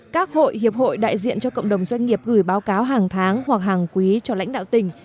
các hội hiệp hội đại diện cho cộng đồng doanh nghiệp gửi báo cáo hàng tháng hoặc hàng quý cho lãnh đạo tỉnh